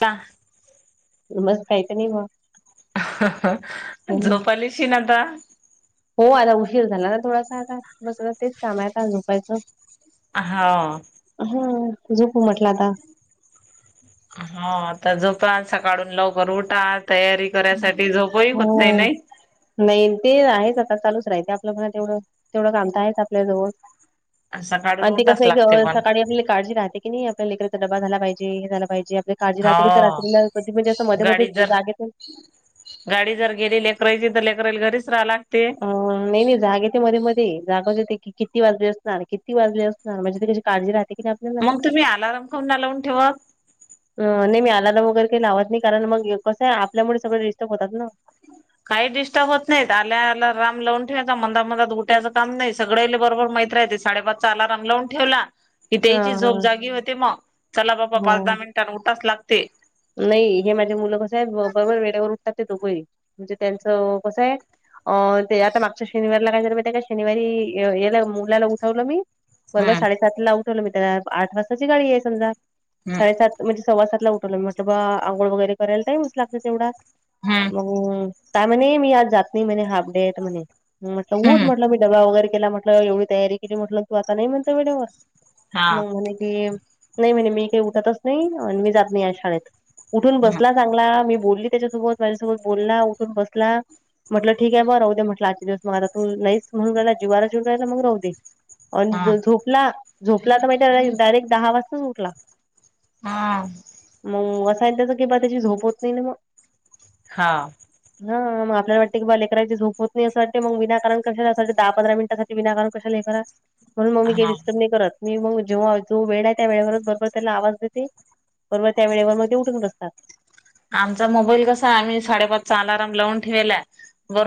का? मस् काहीत नाही बा झोप आलीशी ना आता. हो आता उशीर झाला ना थोडासा आता बसला तेच काम आहे आता झोपायचं अहाव! हो झोपू म्हटला आता. हा आता झोपा सकाळुन लवकर उठा तयारी करायसाठी झोपही होत नाही हो! नाही नाही ते आहेच आता चालूच राहते, आपलं म्हणा तेवढं तेवढं काम तर आहेच आपल्याजवळ सकाळून आणि ते उठाच कसं लागते आहे क पण सकाळी आपल्याली काळजी राहते. की नाही आपल्या लेकरचा डबा झाला पाहिजे, हे झाला पाहिजे, काळजी राहते तर हो रात्री कधी म्हणजे असं मध्ये मध्ये गाडी जर जागे गाडी जर गेली लेकराची तर लेकरराईल घरीच रहाव लागते. अ नाही नाही जाग येते मध्ये मध्ये जागच येते किती वाजले असणार, किती वाजले असणार, हा म्हणजे कशी काळजी राहते की ने मग तुम्ही अलाराम काऊन लावून ठेवत? नाही मी आलाराम वगैरे काही लावत नाही, कारण मग कसं आहे आपल्यामुळे सगळे डिस्टर्ब होतात ना. काही डिस्टर्ब होत नाहीत, आल्या आलाराम लावून ठेवायचा मंदा मधात उठायचं काम नाही, सगळ्याले बरोबर मैत राहते. साडेपाचचा अलार्म लावून ठेवला. इथं हा इची झोप हा जागी होते मग, चला बाबा पाच दहा हा. मिनिटांन उठाच लागते. नाही हे माझे मुलं कसं आहे, बरोबर वेडेवर उठतात ते दोघंही म्हणजे त्यांचं कसं आहे. ते आता मागच्या शनिवारला काय झालं माहिती का, शनिवारी यला मुलाला उठवलं मी. हम्म परवा साडेसात ला उठवलं मी त्याला आठ वाजताची गाडी आहे समजा हम्म साडेसात म्हणजे सव्वा सातला उठवलं म्हटलं बा आंघोळ वगैरे करायला टईमच लागत तेवढा हम्म मग, काय म्हणे मी आज जात नाही म्हणे, हाफ डेे‌ म्हणे, म्हटलं उठ हम्म म्हटलं मी डबा वगैरे केला म्हटलं एवढी तयारी केली म्हटल, तू आता नाही म्हणत. व्हिडीओ वर हा मग म्हणे कि, नाही म्हणे मी काही उठतच नाही. आणि मी जात नाही आज शाळेत उठून हम्म बसला चांगला. मी बोलली त्याच्यासोबत माझ्यासोबत बोलला उठून बसला. म्हटलं ठीक आहे बा राहू दे म्हटलं आजचे दिवस मग आता तू नाहीच म्हणून राहिला जीवारऊन राहिला मग राहू दे. अन हा जो झोपला झोपला तर माहिते डायरेक्ट दहा वाजताच उठला. हम. मग असाय त्याच किं बा त्याची झोप होत नाही ना मग. हा. हा मग आपल्याला वाटते की बा लेकराची झोप होत नाही अस वाटते. मग विनाकारण कशाला अस वाटते दहा पंधरा मिनिटसाठी विनाकारण कशाला हे करा. म्हणून मग मी काही हा डिस्टर्ब नाही करत. मी मग जेव्हा जो वेळ आहे. त्या वेळेवरच बरोबर त्याला आवाज देते. बरोबर त्या वेळेवर मग ते उठून बसतात. आमचा मोबाईल कसा आहे. आम्ही साडेपाच चा अलारम लावून ठेवेला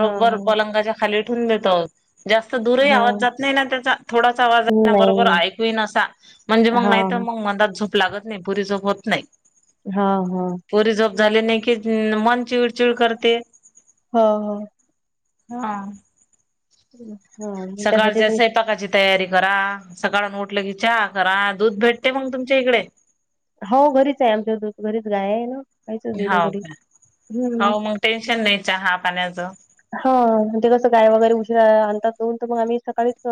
हा पलंगाच्या खाली ठेवून देतो. जास्त दूरही हा आवाज जात नाही ना. त्याचा थोडाच आवाज ये ना बरोबर नाही ऐकू येईन असा. म्हणजे मग हा नाही तर मग मलाच झोप लागत नाही. पुरी झोप होत नाही. हा हा. पुरी झोप झाली नाही की मन चिळचिड करते. हा हा. हा. ह [unintelligible] सकाळच्या स्वयंपाकाची तयारी करा. सकाळून उठलं की चहा करा. दूध भेटते मग तुमच्या इकडे? हो घरीच आहे आमच दूध. घरीच गाय आहे ना. गाईचच दूध आहे हो घरी. का. हम्म हो मग टेन्शन नाही चहा पाण्याचं. ह म्हणजे कसं गाय वगैरे उशीरा आणतात धूऊन. तर मग आम्ही सकाळीच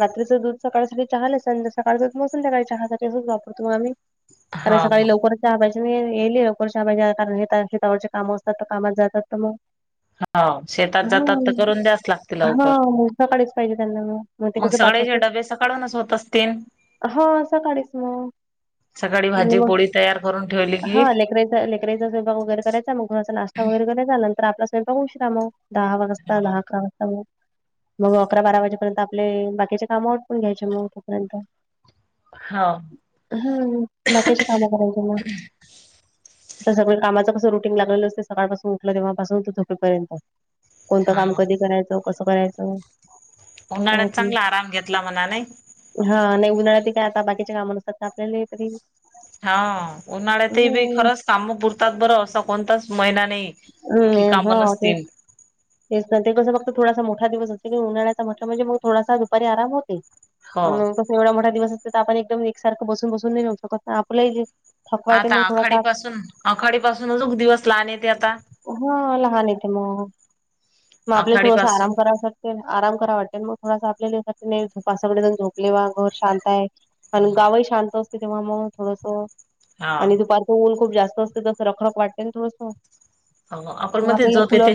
रात्रीचं दूध सकाळ साठी चहाले. सकाळच दूध संध्याकाळी चहासाठी रोज वापरतो मग आम्ही. कारण हां सकाळी लवकरच चहा पाहिजे ना. यायले लवकर चहा पाहिजे कारण शेतावरचे काम असतात तर मग कामाला जातात तर मग. हां शेतात जातात तर ह करून द्याच लागते लवकर. हा. सकाळीच पाहिजे त्यांना म. मग सगळे जे डबे सकाळूनच होत असतील? हो सकाळीच मग. सकाळी भाजी मग पोळी तयार करून ठेवली की हा लेकराचा लेक कराचा स्वयंपाक वगैरे करायचा मग थोडासा नाश्ता वगैर कराचा नंतर आपला स्वयंपाक उशिरा मग दहा दहा हो आकरा वाजता मग. मग अकरा बारा वाजेपर्यंत आपले बाकीचे काम अटपून घ्यायचे मग तोपर्यंत. हाव. हम्. बाकीचे कामं करायची मग. [inaudible] तर सगळ कामाच कसं रुटीन लागलेलं असते. सकाळपासून उठलं तेव्हापासून तर झोपेपर्यंत. कोणतं काम कधी करायचं कसं करायचं. उन्हाळ्यात सांगितलं. चांगला आराम घेतला म्हणा नाही. हा नाही उन्हाळ्यात ते काय आता बाकीच्या काम नसतात आपल्याला तरी. हा उन्हाळ्यातही बी हम्म खरंच काम पुरतात बरं. असा कोणताच महिना नाही. हम् कि काम नाही होते. नसतील तेच ते कसं फक्त थोडासा मोठा दिवस असते की नाही उन्हाळ्याचा म्हटल म्हणजे मग थोडासा दुपारी आराम होते. हो. अ कसं एवढा मोठा दिवस असते तर, आपण एकदम एकसारखं बसून बसून नाही राहू शकत ना. आपलं ही थकवा येतना आता मग आखाडी थोडासा. पासून आखाडी पासूनच दिवस लहान येते आता. हा लहान येते मग. म आपल्या आखाडी थोडस पासून आराम करायसाठी आराम करा वाटते ना. मग थोडासा आपल्याले बा सगळे जण झोपले किंवा घर शांत आहे. आणि गावही शांत असते तेव्हा मग थोडस हा आणि दुपारी ऊन खूप जास्त असते तसं रखरख वाटतेना थोडसं. हो आपण मग मध्ये आपल्याला झोप कूलर येते.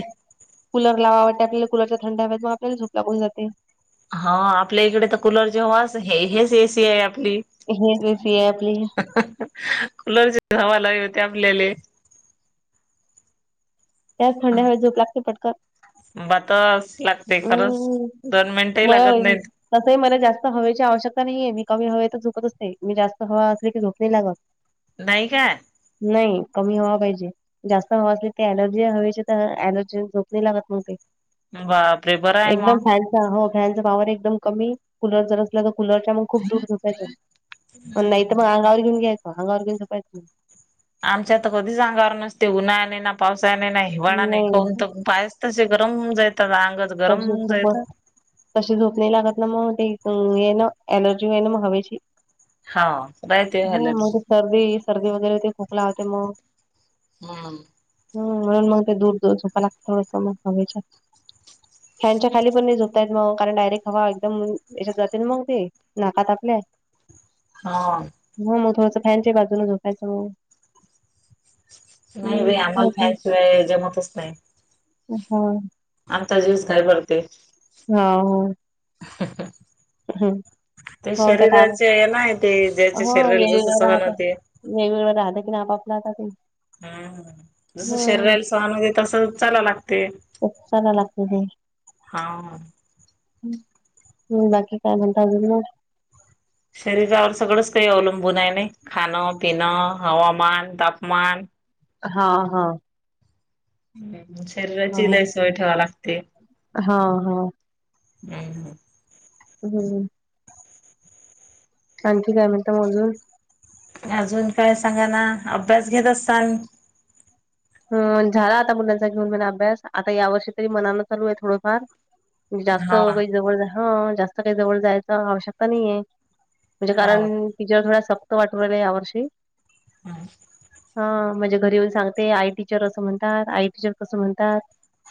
कूलर लावा वाटते आपल्याला कूलरच्या थंड हव्यात मग आपल्याला झूप लागून जाते हा आपल्या इकडे तर कुलर जेव्हा हे हेच एसी आहे आपली हेच ए सी आहे आपली. कुलरचे हवा ला होते आपल्याले त्या थड्याेळे झोप लागते पटक बात लागते खरंच दोन मिनटं ह मला लागत नाहीत तसंही मला जास्त हवेची आवश्यकता नाहीये मी कमी हवेेत झोपत असते मी जास्त हवा असली की झोप नाही लागत नाहीय काय नाही कमी हवा पाहिजे जास्त हवा असल ते लर्ज हवे तर एलर्जी झोप नाही लागत मग ते बापरे बरं आहे एकदम मग हो फॅनचा पावर एकदम कमी कुलर जर असला तर कुलरच्या मग खूप दुर झोपायचं नाही तर मग अंगावर घेऊन घ्यायचं अंगावर घेऊन झोपायचं आमच्या तर कधीच अंगावर नसते उन्हाळया नाइ पावसाया नाइ हिवाळा नाही काऊन तर पाय तसे गरम जायात अंगच गरम तशी खूप जायत तशी झोपणे लागत ना मग ते हे ना एलर्जी आहे ना मग हवेची हा बायती हो ऍलर्जी मग ते सर्दी सर्दी वगैरे ते खोकला होते मग हम्म हम म्हणून मग ते दूर दूर झोपायला लागते थोडं मज हयच्या फॅनच्या खाली पण नाही झोपतायत मग कारण डायरेक्ट हवा एकदम याच्यात जाते मग ते नाकात आपल्या हा ह मग थोडसं फॅनच्या बाजून झोपायच मग नाही हम्म, बाई आम्हाला हो फॅनशिवाय जमतच नाही हम्म आमता ज्यूस काय पडते हा ह. ह ह ह. हम्म. ते शरीराचे ना ते ज्याच्या हो शरीराला जस सहन होते. वेगवेगळं राहत की ना आपपला आता ते हम्म जस ह शरीराला सहण होते तस चालावे लागते. खूप चाला लागत ते हा हम् बाकी काय म्हणता बगु मग शरीरावर सगळंच काही अवलंबून आहे नाही खाणं पिणं हवामान तापमान हा हा हा शरीराची लय सोय ठेवा लागते हा हा. हम् हम् आणखी काय म्हणता आजुन. अजून काय सांगा ना अभ्यास घेत असाल. ह झाला आता मुलांचा घेऊन मला अभ्यास, आता या वर्षी तरी मनानं चालू आहे थोडंफार. जास्त हाव काही जवळ हा जास्त काही जवळ जायच आवश्यकता नाहीये. म्हणजे हाव. कारण तिच्या थोड्या सक्त वाटूराहिल्या या वर्षी हा. हा माझे घरी येऊन सांगते आय टीचर असं म्हणतात आय टीचर तसं म्हणतात.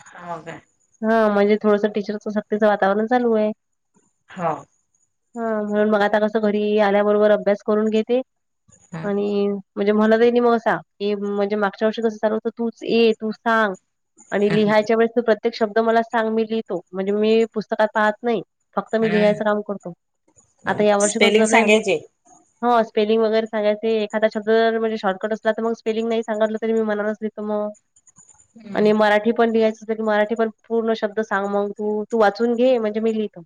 हाव काय? हा म्हणजे थोडसं टीचरचं सक्तीचं वातावरण चालू आहे. हा हा, हा मग आता कस घरी आल्याबरोबर अभ्यास करून घेते आणि म्हणजे म्होलादेनी मोसा [unintelligible] म्हणजे मागच्या वर्षी कस झाल होत तूच ये तूच सांग. आणि लिहायच्या वेळेस त प्रत्येक शब्द मला सांग मी लिहितो म्हणजे मी पुस्तकात पाहत नाही. फक्त मी लिहायचं काम करतो, आता या वर्षी कसं स्पेलिंग झालंय मी सांगायचे. हा स्पेलिंग वगैरे सांगयचे एखादा शब्द म्हणजे, शॉटकट असला तर मग स्पेलिंग नाही सांगावाटल तरी मी मनाला मग, आणि मराठी पण लिहायचं. च मराठी पण पूर्ण शब्द सांग मग तू -तू वाचून घे म्हणजे मी लिहितो.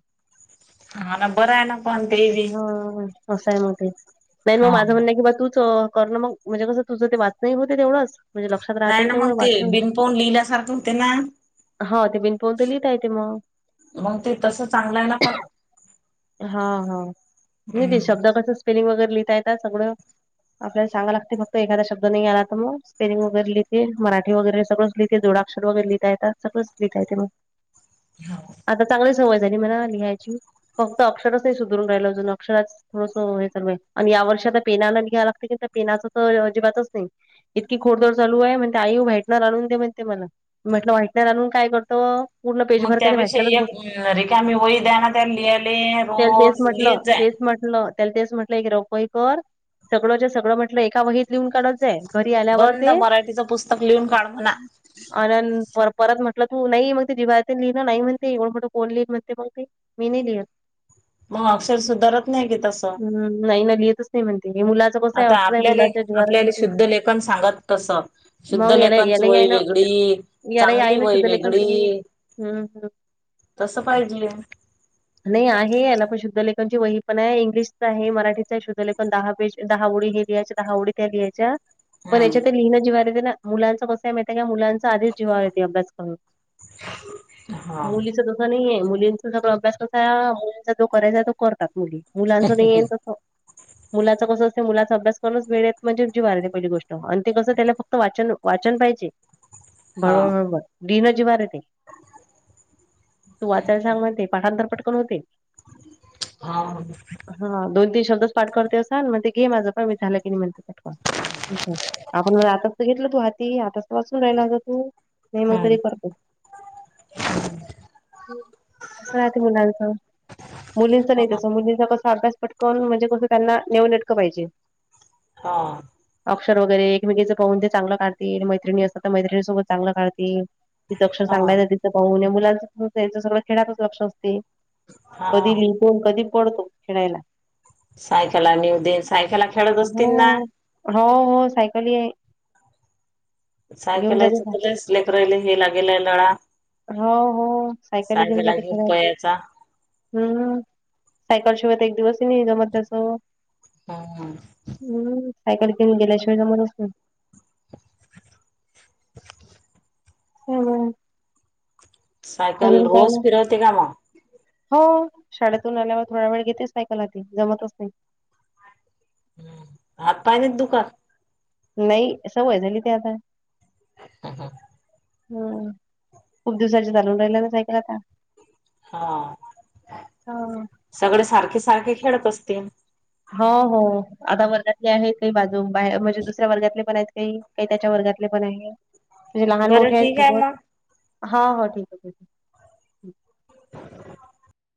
हा ना बरं आहे ना पण ते बी. हं... अस हाय मग ते. नाही हा मग माझं हा. म्हणण की बा तूच करणं मग म्हणजे कसं तुझं ते वाचणं होते तेवढंच म्हण नाही ना मग ते बिन पाहून लिहिल्यासारखं होते ना. हो ते बिन पाहून त लिहता येते मग. मग ते तसं चांगलं आहे ना पण. हा, हा नाही ते हम्म. शब्द कस स्पेलिंग वगैरे लिहिता येत सगळ आपल्याला सांगायला लागते फक्त एखादा शब्द नाही आला तर मग स्पेलिंग तर लिहते मराठी वगैरे सगळच लिहते, जोडाआक्षर वैगेते लिहिता येतात, सगळं लिहिता येत मग. आता चांगली सवय झाली मला लिहायची, फक्त अक्षरच नाही सुधरून राहिल अजून अक्षरच. थोडस हे चालू आहे, आणि या वर्षी आता पेनाला आणि लागते की पेनाचं तर अजिबातच नाही. इतकी खोडन चालूये म्हणते आई व्हाइटनर आणून दे म्हणते मला म्हटलं व्हाइटनर आणून काय करतो? पूर्ण मग पेजभर काय ते त्यापेक्षा व्हाईटनरच एक रिकामी वई द्या ना त्या लिहाले त्याला तेच रोज म्हटलं लिहत जाईन. तेच म्हटलं त्याला तेच म्हटलं की एक रप वही कर सगळं सगळंच्या म्हटलं एका वहीत लिहून काढत जाय. घरी आल्यावर बंद ते. मराठीचं पुस्तक लिहून काढ म्हणा. अनन परत म्हटलं तू नाही मग ते जीवा्हाया [unintelligible] लिहिना नाही म्हणते येवढं मोठं कोण लिहित म्हणते मग ती. मी नाही लिहत. मग अक्षर सुधारत नाही की तसं. ह नाही ना लिहतच नाही म्हणते मुला आता आपल्याले- आपल्याले शुद्ध लेखन सांगत तस. शुद्ध मग याला लेखनची यालाही आहे वही ना वेगडी यालाही आहे चांगली ना वही शुद्धलेखनची वही वेगडी. हम्म हम्म. तसं पाहिजीये. नाही आहे, याना पण शुद्ध लेखनची वही पण आहे, इंग्लिशच आहे, मराठीच आहे, शुद्ध लेखन दहा पेज, दहा ओळी लिहायचे दहा ओडी त्या लिहायच्या, पण हम्म. याच्या ते लिहिन जीवावर येते ना, मुलांचं कस हाय माहिती हाय काय मुलांच आधीच जीवावर येत अभ्यास करून हा मुलीच तस नाही हाय मुलींचा अभ्यास कसा आहे मुलींचा जो करायचा आहे तो करतात मुली, मुलांच नाहीयेन तस. मुलाचं कसं असते मुलाचा अभ्यास करूनच वेळेत म्हणजे जीव्हाऱ्याच्या पलिकडली गोष्ट आणि ते कस त्याला फ क्त वाचन -वाचन पाहिजे हा बरोबर बरोबर [unintelligible] लिहिणं जीवावर येते. तू वाचायला सांग म्हनते पाठांतर पटकन होते. हा. [inaudible] हा दोन, तीन शब्दच पाठ करतोय असा, मग ते घे माझं पहा मी झालं की नाही म्हणते. [unintelligible] आपण आताच घेतलं तू हाती आताच. वाचून राहिलाग तू नेहमी तरी हा करतोय. कसं राहते मुलांचं. मुलींच नाही तसं मुलींच कस अभ्यास पटकवून म्हणजे फक्त त्यांना नेऊ नेटकं पाहिजे. हां. अक्षर वगैरे एकमेकीच पाहून ते चांगलं काढतील मैत्रिणी असतात तर मैत्रिणी सोबत चांगलं काढतील. तिच अक्षर हा. चागलय तर तिच पाहून या मुलांचचं सगळं खेळातच लक्ष असते कधी हा लिहन तो कधी पडतो खेळायला. सायकला नेऊ देे सायकला खळत असतील हो ना. हो हो सायकली आहे. घेऊन जाते सायकलाच तर लयच लेकरायले हे लागेलय लळा. हो हो. सायकली घेऊन सायकला जाते खरं आहे. पयाचा हं. सायकल शिवाय तर एक दिवस ही नाही जमतं त्याचं. हं. हं. सायकल खेळून गेल्याशिवाय जमतच नाही. [inaudible] व्हय व्हय. सायकल मग? रोज फिरवते काय मग? हो. शाळेतून आल्यावर थोडा वेळ घेतेच सायकल आधी. जमतच नाही. हं. हात पाय नाही दुखात? नही. सवय झाली ते आता. हं हं. हं. खूप दिवसाची चालून राहिले ना सायकल आता. हा. हा. सगळे सारखे सारखे खेळत असतीन? हो हो. आता वर्गातले आहेत काही, बाजूंग बाय म्हणजे दुसऱ्या वर्गातले पण आहेत काही. काही त्याच्या वर्गातले पण आहे. म्हणजे लहान बरं मोठे आहे ठीक सोबत. मग. हा हो ठीके ठीके.